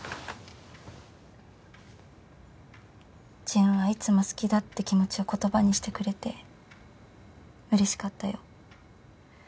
ジュンはいつも好きだって気持ちを言葉にしてくれてうれしかったよ。